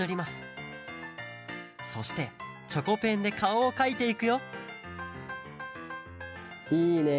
そしてチョコペンでかおをかいていくよいいね。